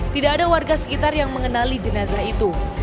tidak ada warga sekitar yang mengenali jenazah itu